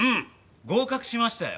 合格しましたよ。